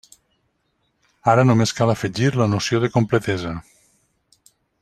Ara només cal afegir la noció de completesa.